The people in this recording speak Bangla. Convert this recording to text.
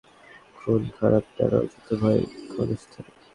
খুনখারাপি দ্বারা অর্জিত ভয় ক্ষণস্থায়ী।